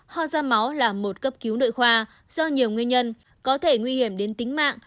ho ra máu là một cấp cứu nội khoa do nhiều nguyên nhân có thể nguy hiểm đến tính mạng